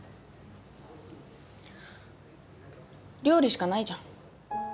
料理しかないじゃん。